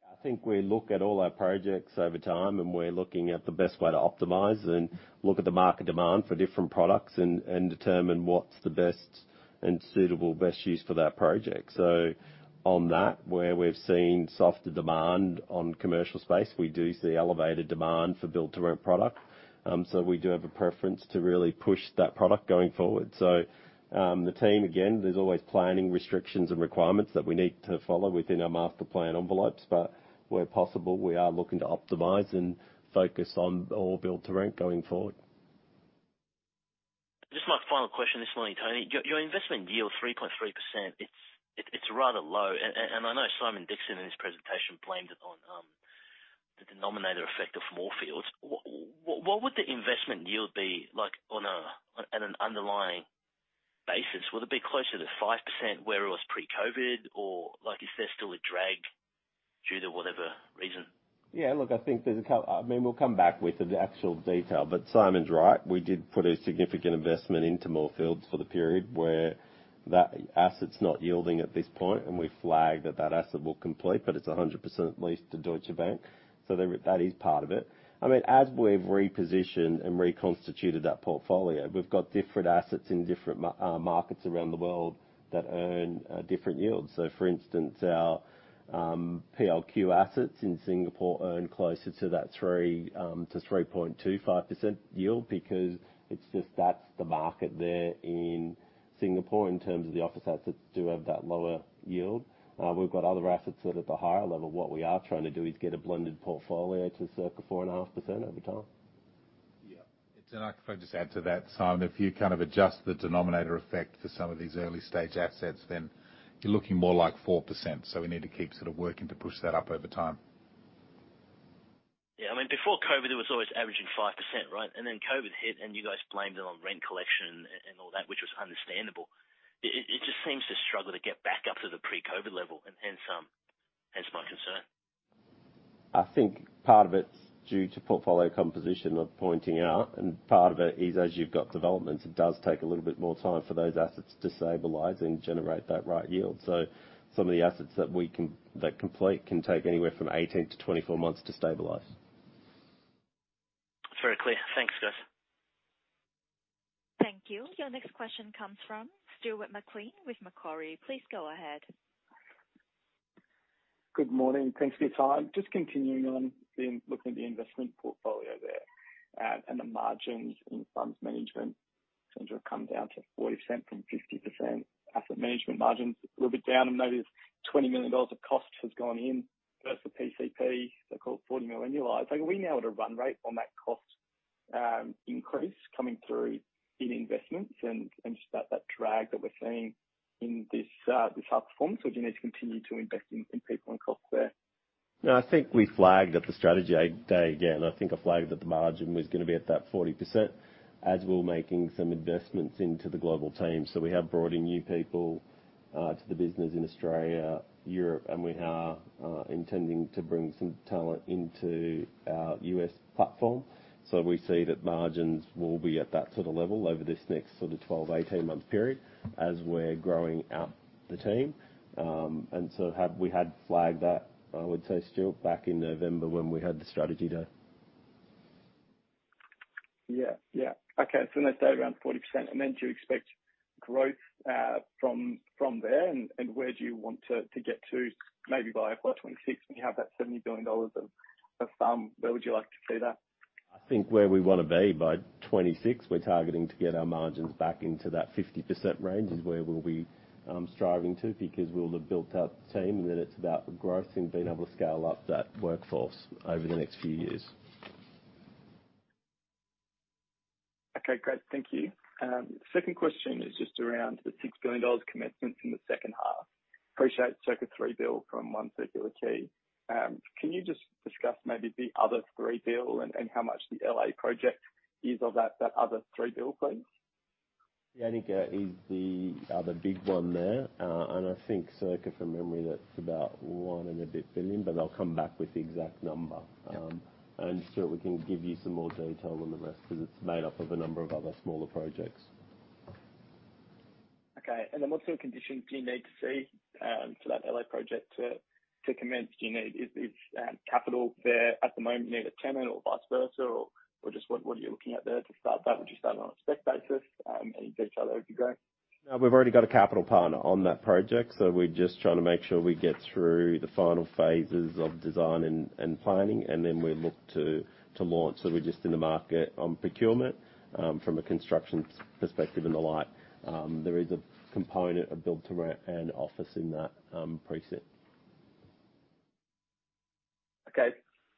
I think we look at all our projects over time and we're looking at the best way to optimize and look at the market demand for different products and determine what's the best and suitable best use for that project. On that, where we've seen softer demand on commercial space, we do see elevated demand for build to rent product. We do have a preference to really push that product going forward. The team, again, there's always planning restrictions and requirements that we need to follow within our master plan envelopes, but where possible, we are looking to optimize and focus on all build to rent going forward. Just my final question this morning, Tony. Your investment yield, 3.3%, it's rather low. I know Simon Dixon in his presentation blamed it on the denominator effect of Moorfields. What would the investment yield be like at an underlying 5% where it was pre-COVID, or like, is there still a drag due to whatever reason? Look, I think there's a I mean, we'll come back with the actual detail, but Simon's right. We did put a significant investment into 21 Moorfields for the period where that asset's not yielding at this point, and we flagged that that asset will complete, but it's a 100% leased to Deutsche Bank. There, that is part of it. I mean, as we've repositioned and reconstituted that portfolio, we've got different assets in different markets around the world that earn different yields. For instance, our PLQ assets in Singapore earn closer to that 3% to 3.25% yield because it's just that's the market there in Singapore in terms of the office assets do have that lower yield. We've got other assets that are at the higher level. What we are trying to do is get a blended portfolio to circa four and a half % over time. Yeah. Can I just add to that, Simon? If you kind of adjust the denominator effect for some of these early-stage assets, then you're looking more like 4%. We need to keep sort of working to push that up over time. Yeah. I mean, before COVID, it was always averaging 5%, right? Then COVID hit, and you guys blamed it on rent collection and all that, which was understandable. It just seems to struggle to get back up to the pre-COVID level and hence my concern. I think part of it's due to portfolio composition I'm pointing out. Part of it is, as you've got developments, it does take a little bit more time for those assets to stabilize and generate that right yield. Some of the assets that complete can take anywhere from 18-24 months to stabilize. It's very clear. Thanks, guys. Thank you. Your next question comes from Stuart McLean with Macquarie. Please go ahead. Good morning. Thanks for your time. Just continuing on the, looking at the investment portfolio there and the margins in funds management seem to have come down to 40% from 50%. Asset management margins a little bit down, and maybe 20 million dollars of cost has gone in versus PCP, so called 40 million annualized. Like, are we now at a run rate on that cost increase coming through in investments and just that drag that we're seeing in this half performance, or do you need to continue to invest in people and costs there? No, I think we flagged at the strategy day again. I think I flagged that the margin was gonna be at that 40% as we were making some investments into the global team. We have brought in new people to the business in Australia, Europe, and we are intending to bring some talent into our U.S. platform. We see that margins will be at that sort of level over this next sort of 12-18 month period as we're growing out the team. Have we had flagged that, I would say, Stuart, back in November when we had the strategy day? Yeah. Yeah. Okay. Let's say around 40%. Do you expect growth from there, and where do you want to get to maybe by FY 2026 when you have that 70 billion dollars of FUM? Where would you like to see that? I think where we wanna be by 2026, we're targeting to get our margins back into that 50% range is where we'll be striving to because we'll have built out the team, and then it's about growth and being able to scale up that workforce over the next few years. Okay, great. Thank you. Second question is just around the $6 billion commencement in the second half. Appreciate circa $3 billion from One Circular Quay. Can you just discuss maybe the other $3 billion and how much the L.A. project is of that other $3 billion, please? Yeah I think is the other big one there. I think circa from memory, that's about AUD one and a bit billion, but I'll come back with the exact number. Stuart, we can give you some more detail on the rest 'cause it's made up of a number of other smaller projects. Okay. What sort of conditions do you need to see to that L.A. project to commence? Is capital there at the moment, near the tenant or vice versa? Just what are you looking at there to start that? Would you start on a spec basis, and you build each other as you go? No. We've already got a capital partner on that project, so we're just trying to make sure we get through the final phases of design and planning, and then we look to launch. We're just in the market on procurement, from a construction perspective and the like. There is a component of build-to-rent and office in that precinct. Okay.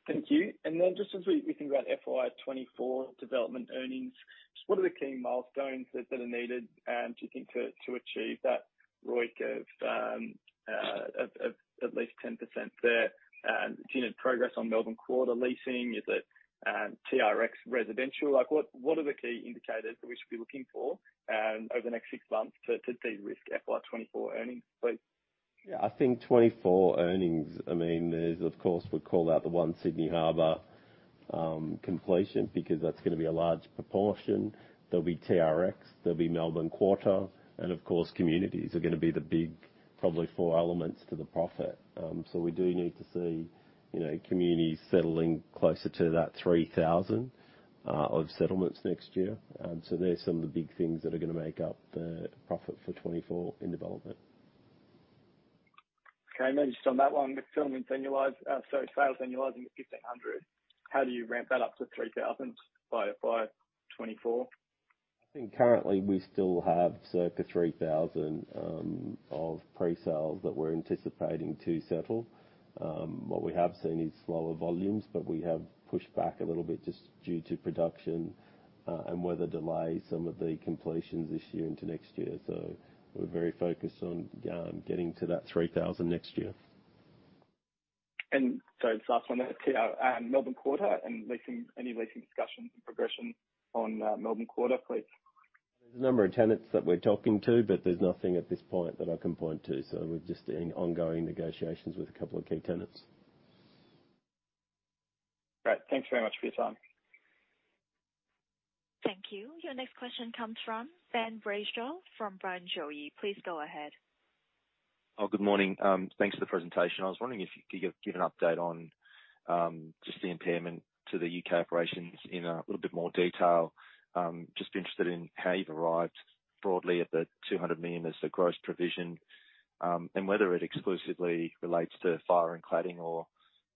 Thank you. Then just as we think about FY24 development earnings, just what are the key milestones that are needed, do you think to achieve that ROIC of at least 10% there? Do you need progress on Melbourne Quarter leasing? Is it TRX residential? Like, what are the key indicators that we should be looking for over the next 6 months to de-risk FY24 earnings, please? Yeah. I think 2024 earnings, I mean, there's, of course, we call out the One Sydney Harbour completion because that's gonna be a large proportion. There'll be TRX, there'll be Melbourne Quarter, and of course, communities are gonna be the big, probably four elements to the profit. We do need to see, you know, communities settling closer to that 3,000 of settlements next year. There's some of the big things that are gonna make up the profit for 2024 in development. Okay. Maybe just on that one, with settlement annualized, sorry, sales annualizing at 1,500, how do you ramp that up to 3,000 by FY 2024? I think currently we still have circa 3,000 of pre-sales that we're anticipating to settle. What we have seen is slower volumes, but we have pushed back a little bit just due to production, and weather delays, some of the completions this year into next year. We're very focused on getting to that 3,000 next year. Sorry, last one. Melbourne Quarter and leasing, any leasing discussions and progression on Melbourne Quarter, please. There's a number of tenants that we're talking to, but there's nothing at this point that I can point to. We're just in ongoing negotiations with a couple of key tenants. Great. Thanks very much for your time. Thank you. Your next question comes from Ben Brayshaw from Barrenjoey. Please go ahead. Good morning. Thanks for the presentation. I was wondering if you could give an update on just the impairment to the U.K. operations in a little bit more detail. Just interested in how you've arrived broadly at the 200 million as the gross provision, and whether it exclusively relates to fire and cladding, or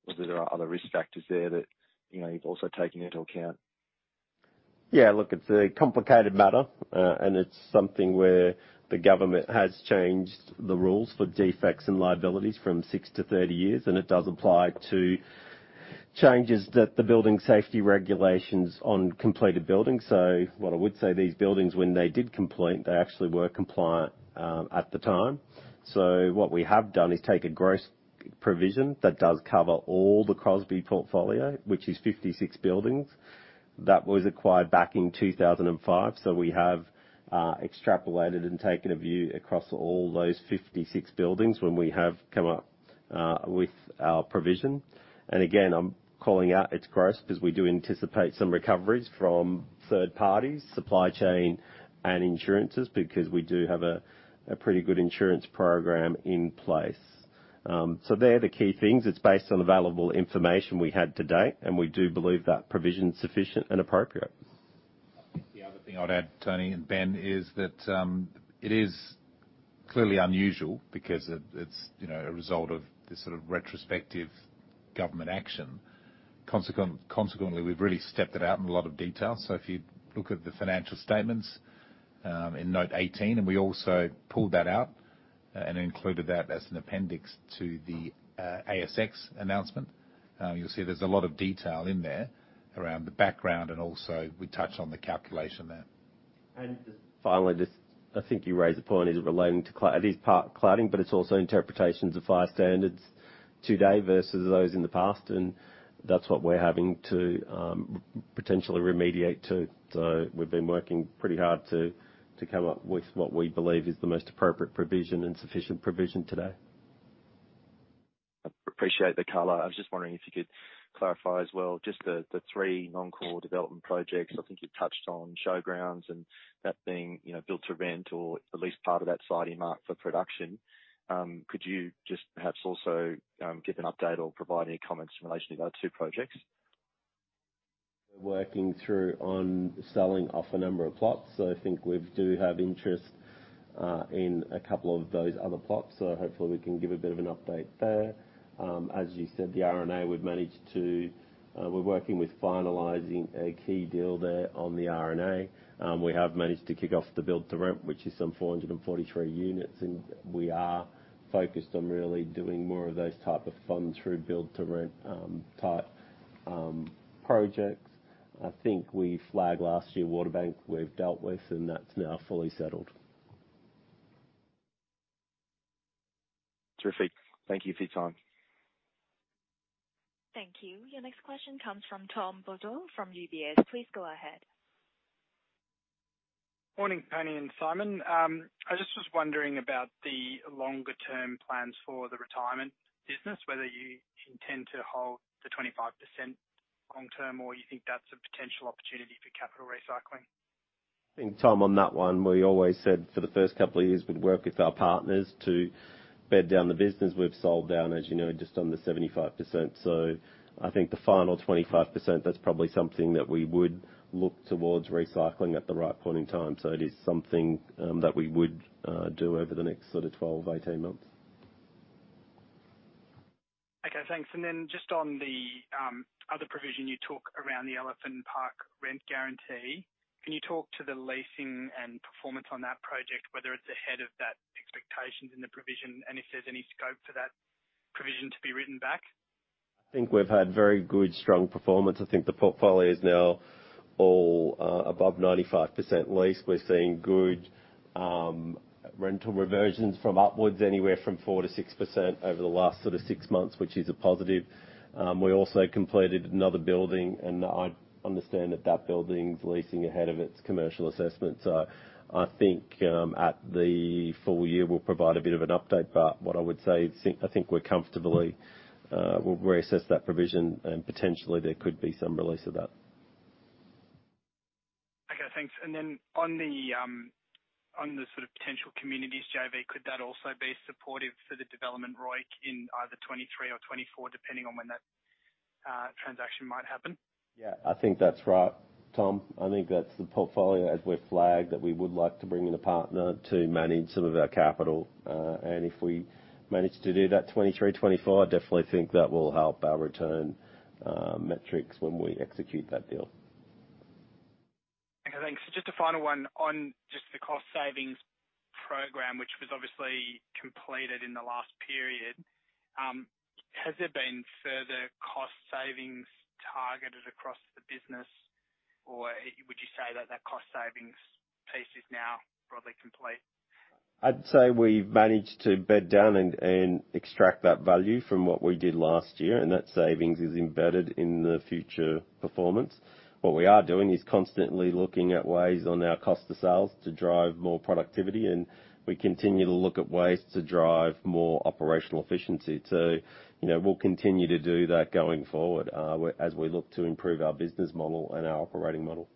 whether there are other risk factors there that, you know, you've also taken into account. Look, it's a complicated matter, and it's something where the government has changed the rules for defects and liabilities from 6 to 30 years, and it does apply to changes that the building safety regulations on completed buildings. What I would say, these buildings, when they did complete, they actually were compliant at the time. What we have done is take a gross provision that does cover all the Crosby portfolio, which is 56 buildings. That was acquired back in 2005. We have extrapolated and taken a view across all those 56 buildings when we have come up with our provision. And again, I'm calling out it's gross because we do anticipate some recoveries from third parties, supply chain and insurances, because we do have a pretty good insurance program in place. They're the key things. It's based on available information we had to date, and we do believe that provision's sufficient and appropriate. I think the other thing I'd add, Tony and Ben, is that it's clearly unusual because it's, you know, a result of this sort of retrospective government action. We've really stepped it out in a lot of detail. If you look at the financial statements, in note 18, and we also pulled that out and included that as an appendix to the ASX announcement. You'll see there's a lot of detail in there around the background, and also we touch on the calculation there. Just finally, just I think you raise a point, is it relating to it is part cladding, but it's also interpretations of fire standards today versus those in the past, and that's what we're having to potentially remediate to. We've been working pretty hard to come up with what we believe is the most appropriate provision and sufficient provision today. Appreciate that, Carlo. I was just wondering if you could clarify as well, just the three non-core development projects. I think you've touched on Showgrounds and that being, you know, build-to-rent or at least part of that site earmarked for production. Could you just perhaps also give an update or provide any comments in relation to those two projects? Working through on selling off a number of plots. I think we do have interest in a couple of those other plots. Hopefully we can give a bit of an update there. As you said, the RNA, we've managed to, we're working with finalizing a key deal there on the RNA. We have managed to kick off the build to rent, which is some 443 units, and we are focused on really doing more of those type of funds through build to rent type projects. I think we flagged last year, Waterbank, we've dealt with and that's now fully settled. Terrific. Thank you for your time. Thank you. Your next question comes from Tom Bodor from UBS. Please go ahead. Morning, Tony and Simon. I just was wondering about the longer-term plans for the retirement business, whether you intend to hold the 25% long term, or you think that's a potential opportunity for capital recycling? I think, Tom, on that one, we always said for the first couple of years, we'd work with our partners to bed down the business. We've sold down, as you know, just under 75%. I think the final 25%, that's probably something that we would look towards recycling at the right point in time. It is something that we would do over the next sort of 12, 18 months. Okay, thanks. Just on the other provision you talk around the Elephant Park rent guarantee, can you talk to the leasing and performance on that project, whether it's ahead of that expectations in the provision, and if there's any scope for that provision to be written back? I think we've had very good, strong performance. I think the portfolio is now all above 95% leased. We're seeing good rental reversions from upwards anywhere from 4%-6% over the last sort of six months, which is a positive. We also completed another building, and I understand that that building's leasing ahead of its commercial assessment. I think, at the full year, we'll provide a bit of an update, but what I would say, I think we're comfortably, we'll reassess that provision and potentially there could be some release of that. Okay, thanks. On the sort of potential communities JV, could that also be supportive for the development ROIC in either 2023 or 2024, depending on when that transaction might happen? Yeah, I think that's right, Tom. I think that's the portfolio as we flagged, that we would like to bring in a partner to manage some of our capital. If we manage to do that 2023, 2024, I definitely think that will help our return metrics when we execute that deal. Okay, thanks. Just a final one on the cost savings program, which was obviously completed in the last period. Has there been further cost savings targeted across the business, or would you say that cost savings piece is now broadly complete? I'd say we've managed to bed down and extract that value from what we did last year, and that savings is embedded in the future performance. What we are doing is constantly looking at ways on our cost of sales to drive more productivity, and we continue to look at ways to drive more operational efficiency. You know, we'll continue to do that going forward as we look to improve our business model and our operating model.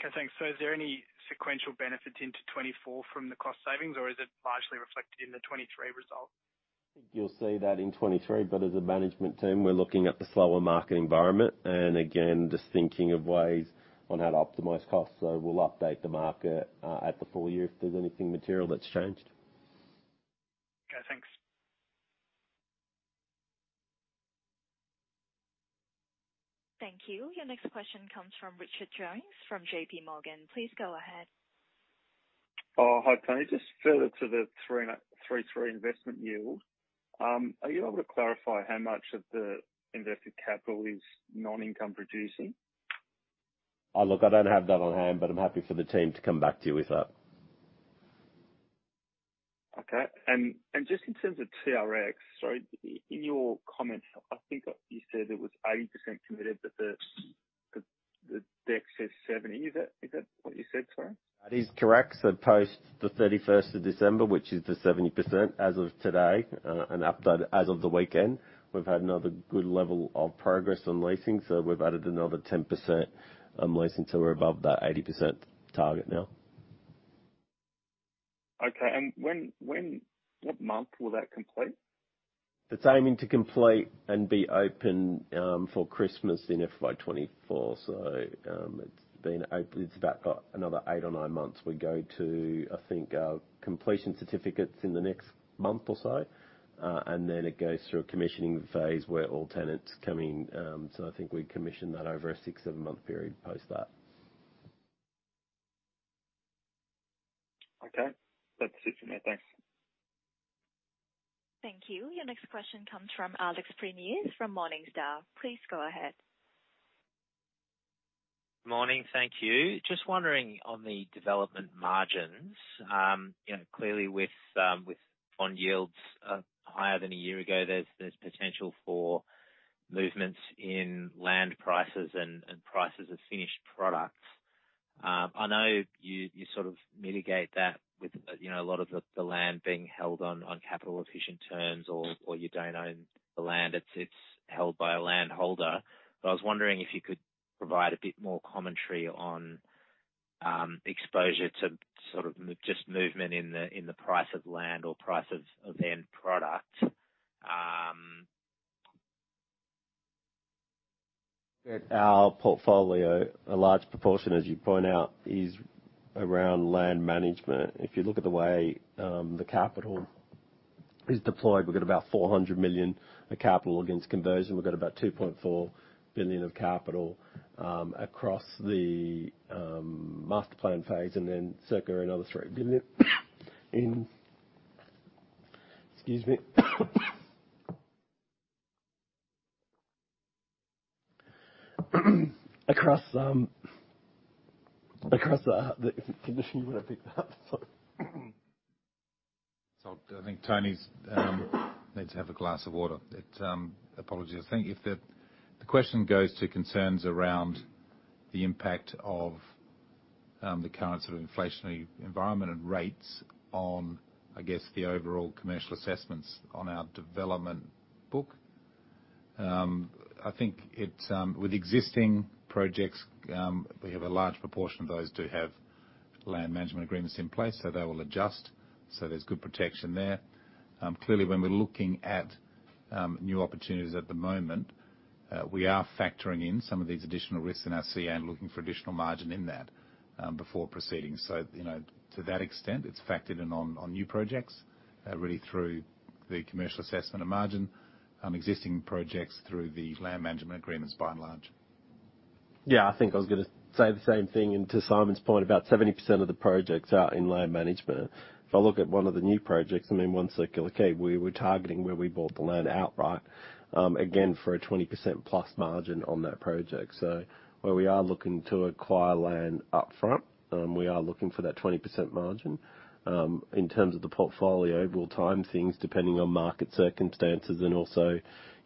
Okay, thanks. Is there any sequential benefit into 2024 from the cost savings or is it largely reflected in the 2023 results? I think you'll see that in 23, but as a management team, we're looking at the slower market environment and again, just thinking of ways on how to optimize costs. We'll update the market at the full year if there's anything material that's changed. Okay, thanks. Thank you. Your next question comes from Richard Jones from J.P. Morgan. Please go ahead. Hi, Tony. Just further to the 3.3% investment yield, are you able to clarify how much of the invested capital is non-income producing? Look, I don't have that on hand, but I'm happy for the team to come back to you with that. Okay. Just in terms of TRX. Sorry, in your comments, I think you said it was 80% committed, the deck says 70. Is that what you said, sorry? That is correct. Post the 31st of December, which is the 70% as of today, an update as of the weekend. We've had another good level of progress on leasing. We've added another 10% lease until we're above that 80% target now. Okay. When what month will that complete? It's aiming to complete and be open, for Christmas in FY 2024. It's about got another 8 or 9 months. We're going to, I think, completion certificates in the next month or so, and then it goes through a commissioning phase where all tenants come in, so I think we commission that over a 6, 7 month period post that. Okay. That's it from me. Thanks. Thank you. Your next question comes from Alex Prineas from Morningstar. Please go ahead. Morning. Thank you. Just wondering on the development margins, you know, clearly with bond yields higher than a year ago, there's potential for movements in land prices and prices of finished products. I know you sort of mitigate that with, you know, a lot of the land being held on capital efficient terms or you don't own the land. It's held by a land holder. I was wondering if you could provide a bit more commentary on exposure to sort of just movement in the price of land or price of end product. Our portfolio, a large proportion, as you point out, is around land management. If you look at the way, the capital is deployed, we've got about 400 million of capital against conversion. We've got about 2.4 billion of capital, across the master plan phase and then circa another 3 billion in... Excuse me. Across, across, the condition you wanna pick that up. Sorry. I think Tony's needs to have a glass of water. It's apologies. I think if the question goes to concerns around the impact of the current sort of inflationary environment and rates on, I guess, the overall commercial assessments on our development book, I think it's with existing projects, we have a large proportion of those do have land management agreements in place, so they will adjust. There's good protection there. Clearly when we're looking at new opportunities at the moment, we are factoring in some of these additional risks in our CA and looking for additional margin in that before proceeding. You know, to that extent, it's factored in on new projects, really through the commercial assessment of margin, existing projects through the land management agreements by and large. Yeah, I think I was gonna say the same thing. To Simon's point, about 70% of the projects are in land management. If I look at one of the new projects, I mean, One Circular Quay, we were targeting where we bought the land outright, again, for a 20% plus margin on that project. Where we are looking to acquire land upfront, we are looking for that 20% margin. In terms of the portfolio, we'll time things depending on market circumstances and also,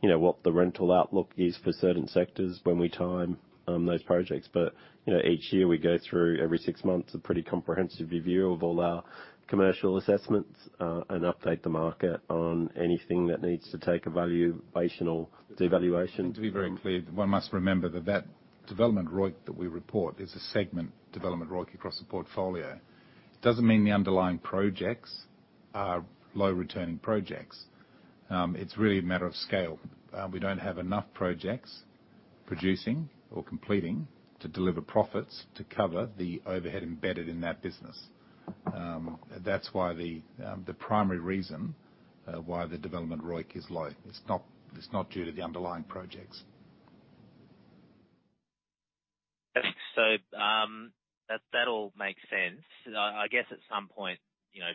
you know, what the rental outlook is for certain sectors when we time those projects. You know, each year we go through every six months a pretty comprehensive review of all our commercial assessments and update the market on anything that needs to take a valuational devaluation. To be very clear, one must remember that development ROIC that we report is a segment development ROIC across the portfolio. It doesn't mean the underlying projects are low returning projects. It's really a matter of scale. We don't have enough projects producing or completing to deliver profits to cover the overhead embedded in that business. That's why the primary reason why the development ROIC is low. It's not due to the underlying projects. Yes. that all makes sense. I guess at some point, you know.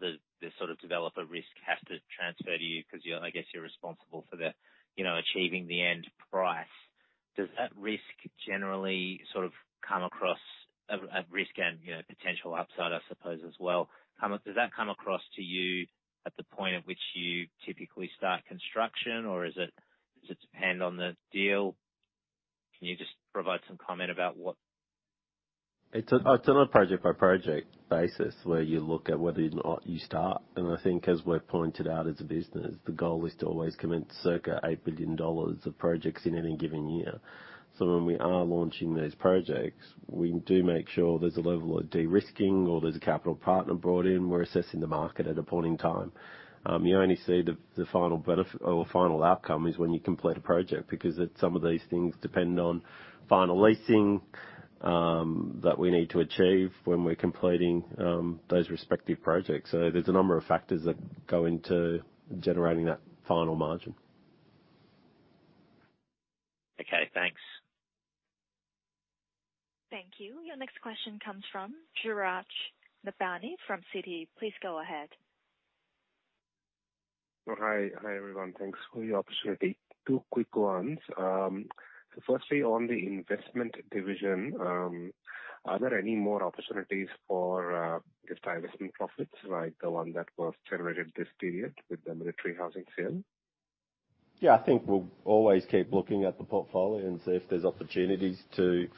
The sort of developer risk has to transfer to you because you're, I guess, you're responsible for the, you know, achieving the end price. Does that risk generally sort of come across of risk and, you know, potential upside, I suppose, as well? Does that come across to you at the point at which you typically start construction or is it, does it depend on the deal? Can you just provide some comment about what? It's on a project-by-project basis where you look at whether or not you start. I think as we've pointed out as a business, the goal is to always commence circa 8 billion dollars of projects in any given year. When we are launching those projects, we do make sure there's a level of de-risking or there's a capital partner brought in. We're assessing the market at a point in time. You only see the final outcome is when you complete a project, because some of these things depend on final leasing, that we need to achieve when we're completing those respective projects. There's a number of factors that go into generating that final margin. Okay, thanks. Thank you. Your next question comes from Chirag Udani from Citi. Please go ahead. Hi, everyone. Thanks for the opportunity. Two quick ones. Firstly, on the investment division, are there any more opportunities for divestment profits like the one that was generated this period with the military housing sale? I think we'll always keep looking at the portfolio and see if there's opportunities to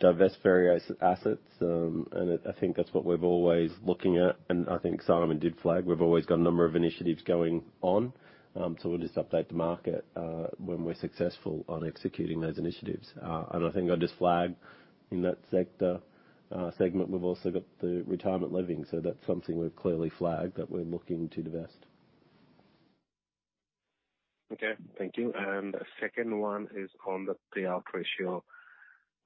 divest various assets. I think that's what we're always looking at, and I think Simon did flag, we've always got a number of initiatives going on. We'll just update the market when we're successful on executing those initiatives. I think I'll just flag in that sector segment, we've also got the retirement living, so that's something we've clearly flagged that we're looking to divest. Okay. Thank you. Second one is on the payout ratio.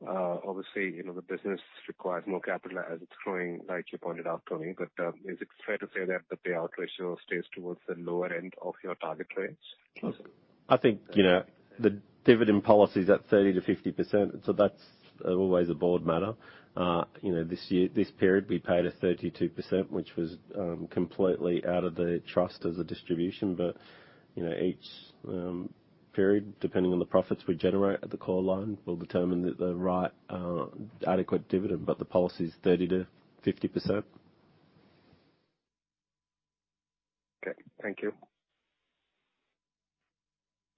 Obviously, you know, the business requires more capital as it's growing, like you pointed out, Tony, but is it fair to say that the payout ratio stays towards the lower end of your target range? I think, you know, the dividend policy is at 30%-50%. That's always a board matter. You know, this period, we paid a 32%, which was completely out of the trust as a distribution. You know, each period, depending on the profits we generate at the core line, will determine the right adequate dividend, but the policy is 30%-50%. Okay. Thank you.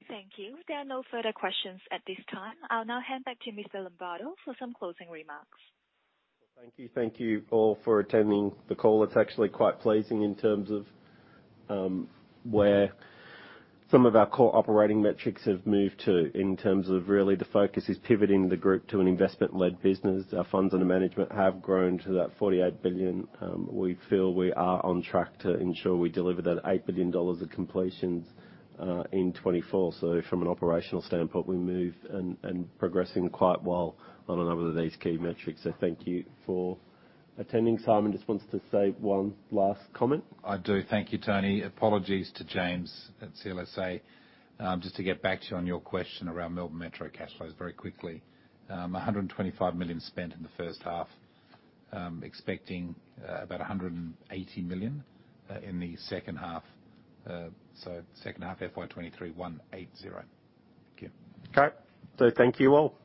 Thank you. There are no further questions at this time. I'll now hand back to Mr. Lombardo for some closing remarks. Thank you. Thank you all for attending the call. It's actually quite pleasing in terms of, where some of our core operating metrics have moved to in terms of really the focus is pivoting the group to an investment-led business. Our funds under management have grown to that 48 billion. We feel we are on track to ensure we deliver that 8 billion dollars of completions in 2024. From an operational standpoint, we moved and progressing quite well on a number of these key metrics. Thank you for attending. Simon just wants to say one last comment. I do. Thank you, Tony. Apologies to James at CLSA. Just to get back to you on your question around Metro Tunnel cash flows very quickly. 125 million spent in the first half. Expecting about 180 million in the second half. Second half FY23, 180. Thank you. Okay. Thank you all.